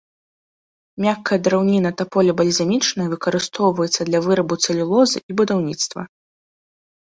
Мяккая драўніна таполі бальзамічнай выкарыстоўваецца для вырабу цэлюлозы і будаўніцтва.